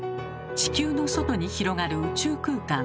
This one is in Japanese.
地球の外に広がる宇宙空間。